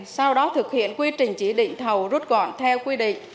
sau đó thực hiện quy trình chỉ định thầu rút gọn theo quy định